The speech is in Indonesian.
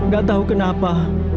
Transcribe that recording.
gak tahu kenapa